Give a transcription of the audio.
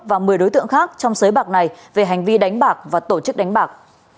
và một mươi đối tượng khác trong sới bạc này về hành vi đánh bạc và tổ chức đánh bạc